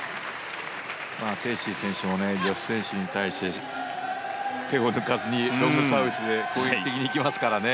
テイ・シイ選手も女子選手に対して手を抜かずにロングサービスで攻撃的にいきますからね。